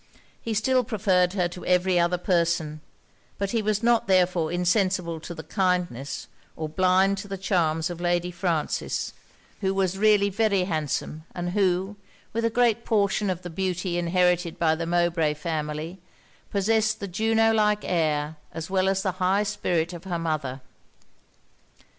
He still preferred her to every other person; but he was not therefore insensible to the kindness, or blind to the charms of Lady Frances; who was really very handsome; and who, with a great portion of the beauty inherited by the Mowbray family, possessed the Juno like air as well as the high spirit of her mother.